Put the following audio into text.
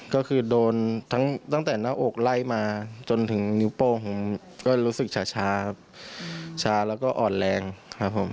ก็คือโดนทั้งตั้งแต่หน้าอกไล่มาจนถึงนิ้วโป้งผมก็รู้สึกช้าครับช้าแล้วก็อ่อนแรงครับผม